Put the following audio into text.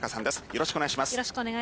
よろしくお願いします。